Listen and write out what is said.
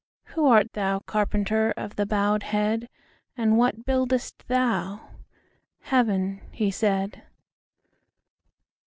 "Who art thou, carpenter, Of the bowed head; And what buildest thou?""Heaven," he said.